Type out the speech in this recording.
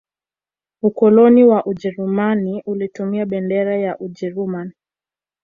ukoloni wa ujerumani ulitumia bendera ya ujeruman